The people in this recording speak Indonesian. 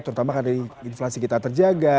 terutama karena inflasi kita terjaga